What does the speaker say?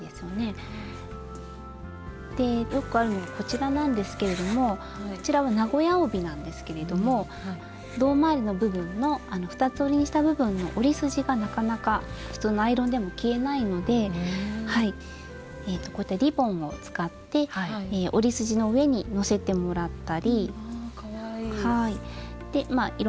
よくあるのがこちらなんですけれどもこちらは名古屋帯なんですけれども胴回りの部分の二つ折りにした部分の折り筋がなかなか普通のアイロンでも消えないのでこうやってリボンを使って折り筋の上にのせてもらったり。わかわいい。